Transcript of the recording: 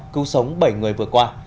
cứu sống bảy người vừa qua